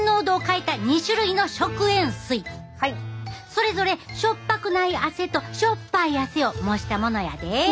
それぞれ塩っぱくない汗と塩っぱい汗を模したものやで。